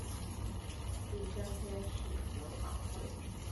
第三天是牛法会。